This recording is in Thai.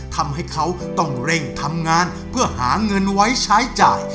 ทำให้เขาต้องเร่งทำงานเพื่อหาเงินไว้ใช้จ่าย